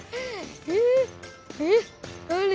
えっ？